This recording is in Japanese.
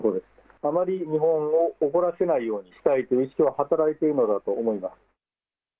あまり日本を怒らせないようにしたいという意識が働いているのだと思います。